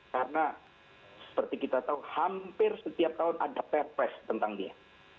karena seperti kita tahu hampir setiap tahun ada perpres tentang dia